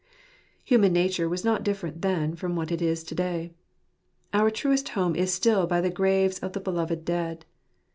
Human nature was not different then from what it is today. Our truest home is still by the graves of the beloved dead.